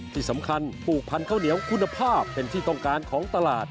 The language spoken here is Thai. ที่สำคัญผูกพันข้าวเหนียวคุณภาพเป็นที่ต้องการของตลาด